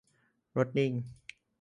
รถนิ่ง